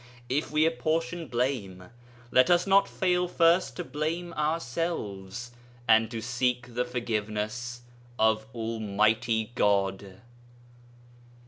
If we apportion blame, let us not fail first to blame ourselves, and to seek the forgiveness of Almighty God.